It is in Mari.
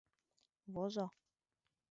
Возо!